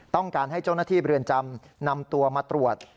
ต้องการให้เจ้าหน้าที่เรือนจำนำตัวมาตรวจ